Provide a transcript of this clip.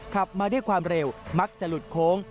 ขับมาด้วยความเร็วมักจะหลุดโค้ง